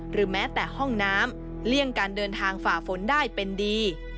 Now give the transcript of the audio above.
แม้แต่ห้องน้ำเลี่ยงการเดินทางฝ่าฝนได้เป็นดี